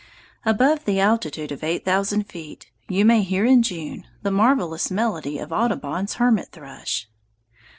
Above the altitude of eight thousand feet you may hear, in June, the marvelous melody of Audubon's hermit thrush.